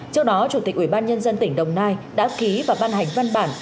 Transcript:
trước đó chủ tịch ủy ban nhân dân tỉnh đồng nai đã ký và ban hành văn bản